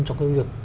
trong cái việc